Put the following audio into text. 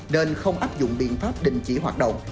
nên không áp dụng biện pháp đình chỉ hoạt động